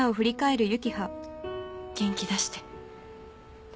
元気出して。